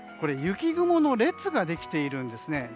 雪雲の列ができているんですね。